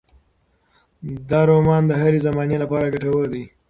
دا رومان د هرې زمانې لپاره ګټور دی.